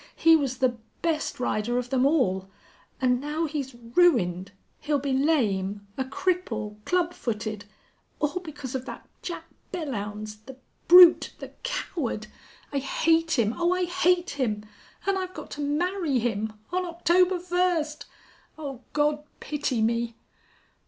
He was the best rider of them all. And now he's ruined! He'll be lame a cripple club footed!... All because of that Jack Belllounds! The brute the coward! I hate him! Oh, I hate him!... And I've got to marry him on October first! Oh, God pity me!"